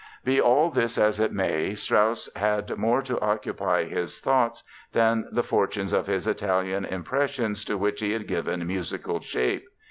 Be all this as it may, Strauss had more to occupy his thoughts than the fortunes of his Italian impressions to which he had given musical shape.